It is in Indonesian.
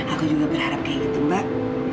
aku juga berharap kayak gitu mbak